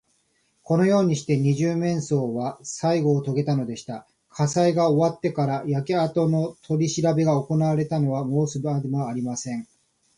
このようにして、二十面相はさいごをとげたのでした。火災が終わってから、焼けあとのとりしらべがおこなわれたのは申すまでもありません。